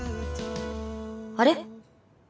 あれ？